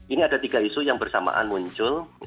ini ada tiga isu yang bersamaan muncul